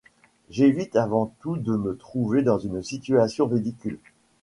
J’évite avant tout de me trouver dans une situation ridicule.